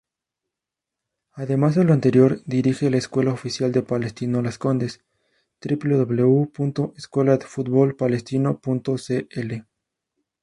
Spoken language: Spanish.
Además de lo anterior dirige la escuela oficial de Palestino Las Condes, www.escueladefutbolpalestino.cl